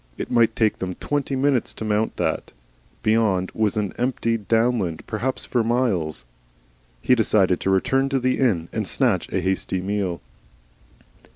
It might take them twenty minutes to mount that. Beyond was empty downland perhaps for miles. He decided to return to the inn and snatch a hasty meal.